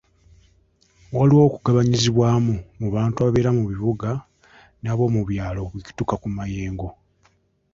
Waliwo okugabanyizibwamu mu bantu ababeera mu bibuga n'abomu byalo bwe kituuka ku mayengo.